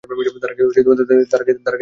তারা কি তাদের প্রেমে জয়লাভ করবে?